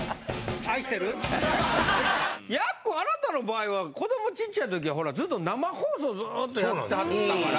やっくんあなたの場合は子どもちっちゃい時はほらずっと生放送ずっとやってはったから。